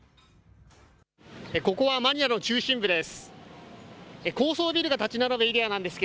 ここはマニラの中心部です。